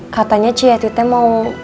katanya cu yatite mau